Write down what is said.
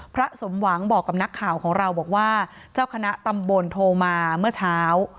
พระสมหวังบอกกับนักข่าวของเราบอกว่าเจ้าคณะตำบลโทรมาเมื่อเช้า